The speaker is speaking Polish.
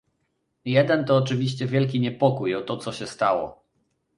Jeden to oczywiście wielki niepokój o to, co się stało